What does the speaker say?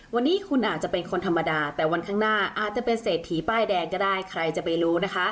วันนี้คุณอาจจะเป็นคนธรรมดาแต่วันข้างหน้าอาจจะเป็นเศรษฐีป้ายแดงก็ได้ใครจะไปรู้นะคะ